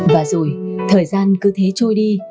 và rồi thời gian cứ thế trôi đi